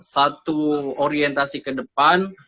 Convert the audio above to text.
satu orientasi ke depan